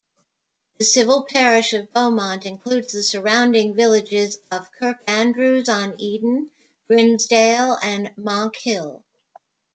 The civil parish of Beaumont includes the surrounding villages of Kirkandrews-on-Eden, Grinsdale and Monkhill.